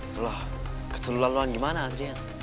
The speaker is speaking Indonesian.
betul lah keterlaluan gimana adrian